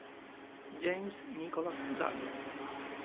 James Nicholas Douglass